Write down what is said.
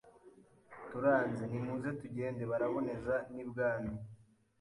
turanze nimuze tugende Baraboneza n' ibwami.